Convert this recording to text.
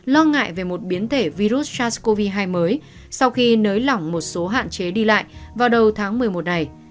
lo ngại về một biến thể virus sars cov hai mới sau khi nới lỏng một số hạn chế đi lại vào đầu tháng một mươi một này